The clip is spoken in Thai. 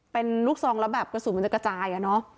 เป็นลูกซองแล้วแบบกระสุนมันจะกระจาย